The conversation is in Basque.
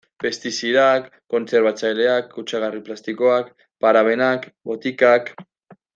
Pestizidak, kontserbatzaileak, kutsagarri plastikoak, parabenak, botikak...